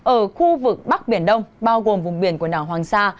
ở khu vực bắc biển đông bao gồm vùng biển quần đảo hoàng sa